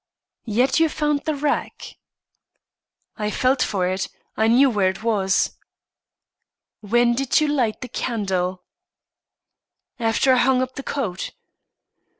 "Yet you found the rack?" "I felt for it. I knew where it was." "When did you light the candle?" "After I hung up the coat."